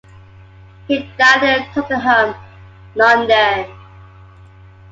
He died in Tottenham, London.